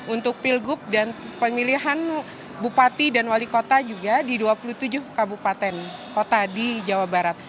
untuk pilgub dan pemilihan bupati dan wali kota juga di dua puluh tujuh kabupaten kota di jawa barat